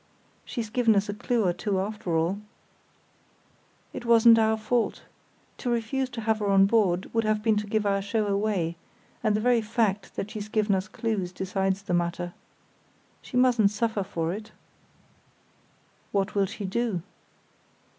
"She's given us a clue or two after all." "It wasn't our fault. To refuse to have her on board would have been to give our show away; and the very fact that she's given us clues decides the matter. She mustn't suffer for it." "What will she do?"